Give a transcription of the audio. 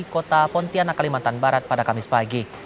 kota pontianak kalimantan barat pada kamis pagi